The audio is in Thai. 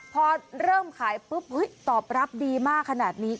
พอเริ่มขายปุ๊บตอบรับดีมากขนาดนี้